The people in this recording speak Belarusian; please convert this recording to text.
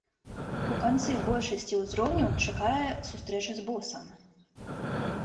У канцы большасці ўзроўняў чакае сустрэча з босам.